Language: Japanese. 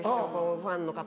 ファンの方。